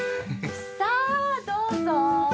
さあどうぞ！